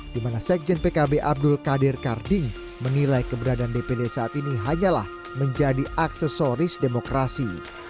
di mana sekjen pkb abdul qadir karding menilai keberadaan dpd saat ini hanyalah menjadi aksesoris demokrasi